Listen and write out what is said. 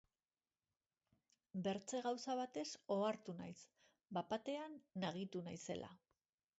Bertze gauza batez ohartu naiz, bat-batean nagitu naizela.